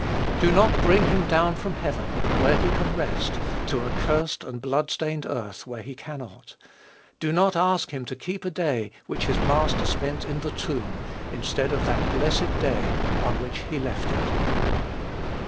Do not bring him down from heaven, where he can rest, to a cursed and bloodstained earth, where he cannot. Do not ask him to keep a day which his Master spent in the tomb, instead of that blessed day on which he left it.